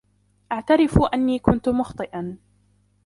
أعترف أني كنت مخطئًا.